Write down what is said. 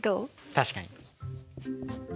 確かに。